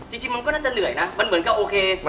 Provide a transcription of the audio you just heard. มันเหมือนก็โอเค